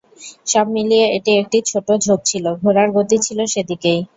সব মিলিয়ে এটি একটি ছোট ঝোপ ছিল ঘোড়ার গতি ছিল সেদিকেই।